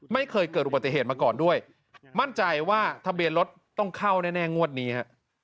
ไม่เคยเกิดอุบัติเหตุมาก่อนด้วยมั่นใจว่าทะเบียนรถต้องเข้าแน่งวดนี้ฮะ